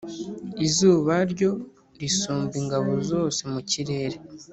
Izuba ryo risumba ingabo zose zo mu kirere,